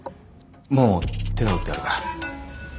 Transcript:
もう手は打ってあるから。